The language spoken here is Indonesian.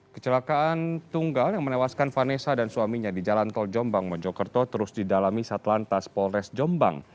kecelakaan tunggal yang menewaskan vanessa dan suaminya di jalan tol jombang mojokerto terus didalami satlantas polres jombang